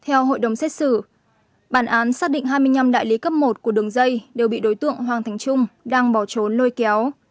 theo hội đồng xét xử bản án xác định hai mươi năm đại lý cấp một của đường dây đều bị đối tượng hoàng thành trung đang bỏ trốn lôi kéo